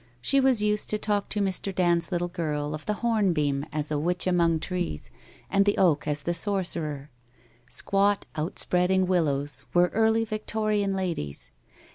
She was used to talk to Mr. Dand's little girl of the hornbeam as a witch among trees, and the oak as the sorcerer. Squat outspreading willows were early Victorian ladies.